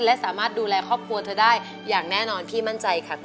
และสามารถดูแลครอบครัวเธอได้อย่างแน่นอนพี่มั่นใจค่ะคุณ